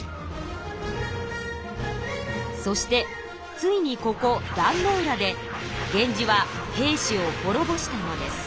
そしてついにここ壇ノ浦で源氏は平氏を滅ぼしたのです。